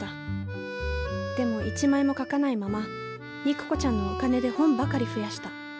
でも一枚も書かないまま肉子ちゃんのお金で本ばかり増やした。